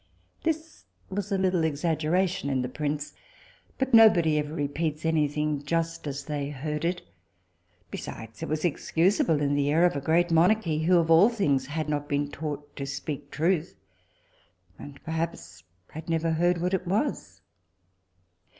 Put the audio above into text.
This was a little exaggeration in the prince, but nobody ever repeats any thing just as they heard it: besides, it was excusable in the heir of a great monarchy, who of all things had not been taught to speak truth, and perhaps had never heard what it was.